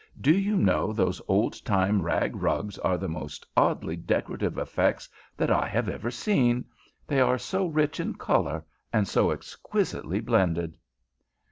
"Do you know those old time rag rugs are the most oddly decorative effects that I have ever seen. They are so rich in color and so exquisitely blended."